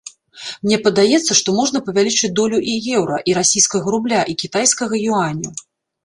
Мне падаецца, што можна павялічыць долю і еўра, і расійскага рубля, і кітайскага юаня.